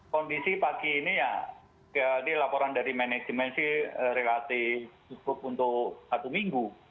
kondisi pagi ini ya jadi laporan dari manajemen sih relatif cukup untuk satu minggu